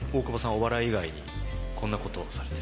お笑い以外にこんなことをされてる？